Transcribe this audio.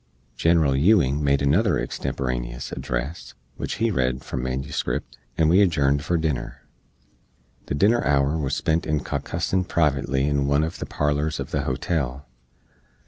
General Ewing made another extemporaneous address, which he read from manuscript, and we adjourned for dinner. The dinner hour was spent in caucussin privately in one uv the parlors uv the hotel.